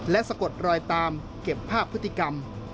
และสะกดรอยตามเก็บภาพพฤติกรรม